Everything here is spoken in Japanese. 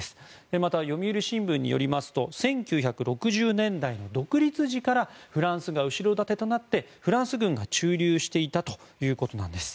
また、読売新聞によりますと１９６０年代の独立時からフランスが後ろ盾となってフランス軍が駐留していたということなんです。